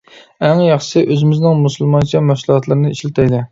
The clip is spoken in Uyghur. ئەڭ ياخشىسى ئۆزىمىزنىڭ مۇسۇلمانچە مەھسۇلاتلىرىنى ئىشلىتەيلى.